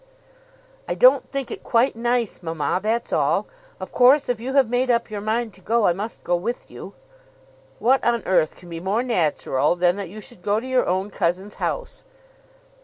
"I don't think it quite nice, mamma; that's all. Of course if you have made up your mind to go, I must go with you." "What on earth can be more natural than that you should go to your own cousin's house?"